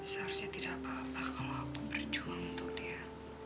seharusnya tidak apa apa kalau aku berjuang untuk dia